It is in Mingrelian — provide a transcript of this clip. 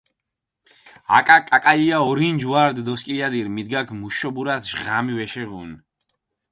აკაკაკალია ორინჯი ვა რდჷ დოსქილადირ, მიდგაქ მუშობურათ ჟღამი ვეშეღუნ.